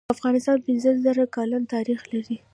افغانستان پنځه زر کلن تاریخ لري.